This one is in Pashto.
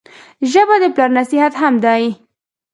ژبه د پلار نصیحت هم دی